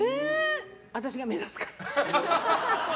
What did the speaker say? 私が目立つから。